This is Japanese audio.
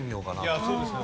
そうですね。